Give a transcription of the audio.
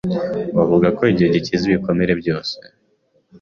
Bavuga ko igihe gikiza ibikomere byose.